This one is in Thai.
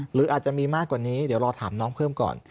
หรืออาจจะมีมากกว่านี้เดี๋ยวรอถามน้องเพิ่มก่อน